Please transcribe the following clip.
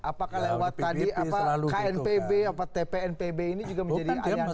apakah lewat tadi apa knpb tpnpb ini juga menjadi ayat